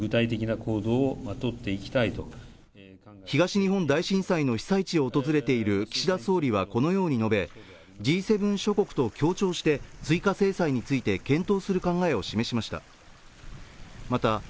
東日本大震災の被災地を訪れている岸田総理はこのように述べＧ７諸国と協調して追加制裁について検討する考えを示しました